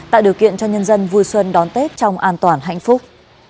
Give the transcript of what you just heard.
tạo điều kiện cho nhân dân vui xuân đón tết trong an toàn hạnh phúc